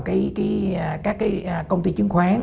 các cái công ty chứng khoán